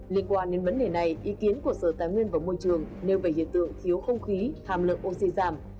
liên quan đến vấn đề này ý kiến của sở tài nguyên và môi trường nêu về hiện tượng thiếu không khí hàm lượng oxy giảm